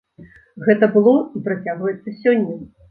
Гэта было і працягваецца сёння.